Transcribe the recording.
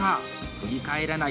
振り返らない！